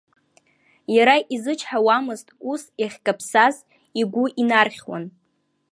Иара изычҳауамызт, ус иахькаԥсаз, игәы инархьуан.